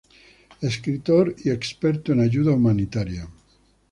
Escritor y experto en ayuda humanitaria.